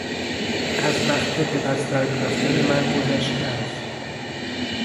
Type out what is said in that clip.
از وقت به بستر رفتن من گذشته است.